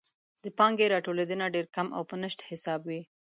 د پانګې راټولیدنه ډېر کم او په نشت حساب وي.